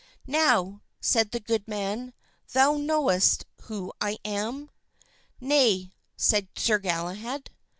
"Now," said the good man, "knowest thou who I am?" "Nay," said Sir Galahad.